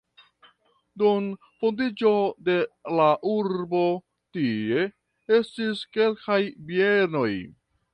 Dum fondiĝo de la urbo tie estis kelkaj bienoj.